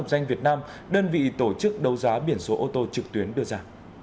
danh việt nam đơn vị tổ chức đấu giá biển số ô tô trực tuyến đưa ra